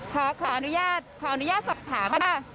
ค่ะค่ะขอขออนุญาตขออนุญาตสอบถามนะ